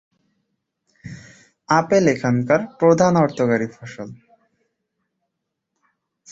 Apple এখানকার প্রধান অর্থকরী ফসল।